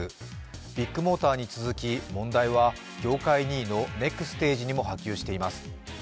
ビッグモーターに続き問題は業界２位のネクステージにも波及しています。